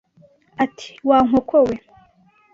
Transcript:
ati wa nkoko we,